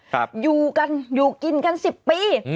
ครับอยู่กันอยู่กินกัน๑๐ปี